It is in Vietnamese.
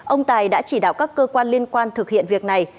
ông tài đã chỉ đạo các cơ quan liên quan thực hiện việc này